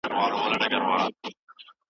د وخت قدر کړي ځکه وخت قيمتي ده